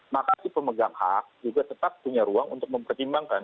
maka si pemegang hak juga tetap punya ruang untuk mempertimbangkan